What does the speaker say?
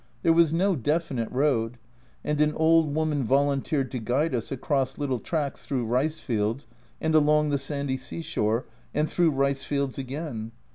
There was no definite road, and an old woman volunteered to guide us across little tracks through rice fields and along the sandy seashore, and through rice fields again.